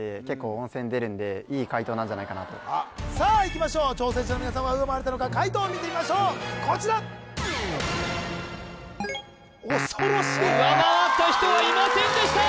多いんですよさあいきましょう挑戦者の皆さんは上回れたのか解答を見てみましょうこちら恐ろしい上回った人はいませんでした